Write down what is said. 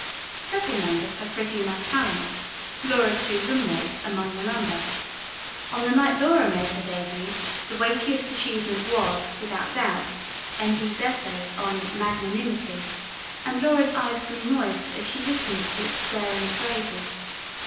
Several members had pretty enough talents, Laura's two room mates among the number: on the night Laura made her debut, the weightiest achievement was, without doubt, M. P.'s essay on "Magnanimity"; and Laura's eyes grew moist as she listened to its stirring phrases.